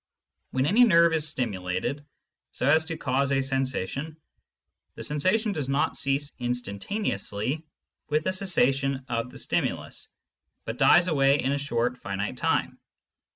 When any nerve is stimulated, so as to cause a sensa tion, the sensation does not cease instantaneously with the cessation of the stimulus, but dies away in a short finite time.